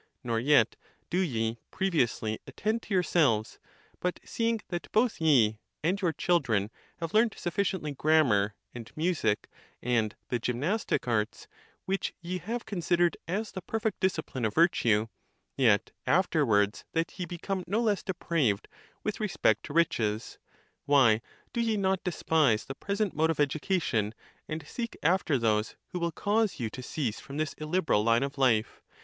Nor yet do ye previously attend to yourselves; but, seeing that both ye and your children have learnt sufficiently grammar, and music, and the gymnastic arts, which ye have considered as the perfect discipline of virtue, yet afterwards that ye become no less depraved with respect to riches, why do ye not despise the present mode of education, and seek after those, who will cause you to cease from this illi beral line of life?